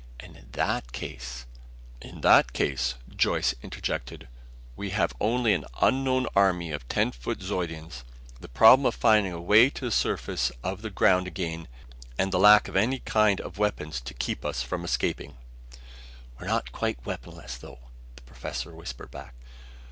And in that case " "In that case," Joyce interjected, "we'd have only an unknown army of ten foot Zeudians, the problem of finding a way to the surface of the ground again, and the lack of any kind of weapons, to keep us from escaping!" "We're not quite weaponless, though," the professor whispered back.